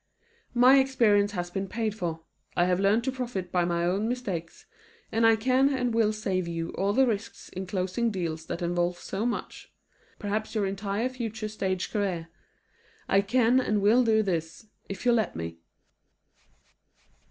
My experience has been paid for. I have learned to profit by my own mistakes, and I can and will save you all the risk in closing deals that involve so much perhaps your entire future stage career. I can and will do this, if you let me.